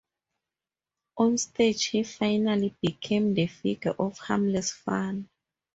Onstage he finally became the figure of harmless fun.